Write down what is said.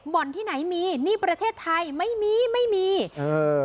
บ่อนที่ไหนมีนี่ประเทศไทยไม่มีไม่มีเออ